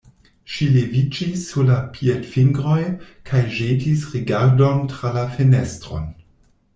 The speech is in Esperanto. Ŝi leviĝis sur la piedfingroj kaj ĵetis rigardon tra la fenestron.